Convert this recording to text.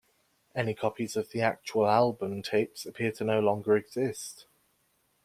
Any copies of the actual album tapes appear to no longer exist.